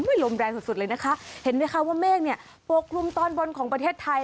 คุณผู้ชมไม่ลมแรงสุดเลยนะคะเห็นไหมคะว่าเมฆปกรุมตอนบนของประเทศไทย